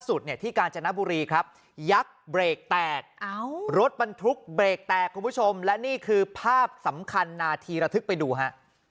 สุดเนี่ยที่กาญจนบุรีครับยักษ์เบรกแตกรถบรรทุกเบรกแตกคุณผู้ชมและนี่คือภาพสำคัญนาทีระทึกไปดูฮะ